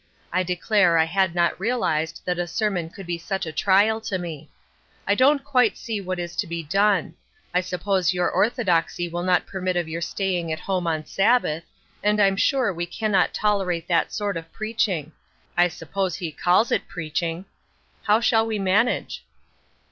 I declare I had not realized that a sermon could be such a trial to me. I don't quite see what is to be done ; I suppose your or thodoxy will not permit of your staying at home on Sabbath, and I'm sure we can not tolerate that sort of preaching — I suppose he calls it preach ing. How shall we manage